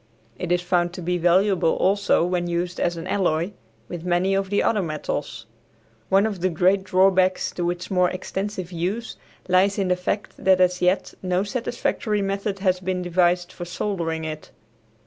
It is found to be valuable also when used as an alloy with many of the other metals. One of the great drawbacks to its more extensive use lies in the fact that as yet no satisfactory method has been devised for soldering it.